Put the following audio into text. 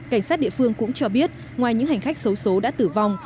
cảnh sát địa phương cũng cho biết ngoài những hành khách xấu xố đã tử vong